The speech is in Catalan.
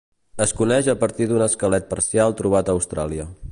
Es coneix a partir d'un esquelet parcial trobat a Austràlia.